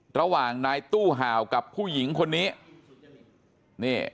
ระหว่างนายตู้ห่าวกับผู้หญิงคนนี้